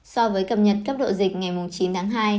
so với cập nhật cấp độ dịch ngày chín tháng hai